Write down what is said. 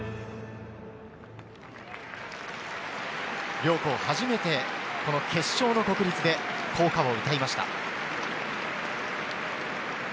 両校初めて、この決勝の国立で校歌を歌いました。